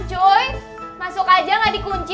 cuy masuk aja gak di kunci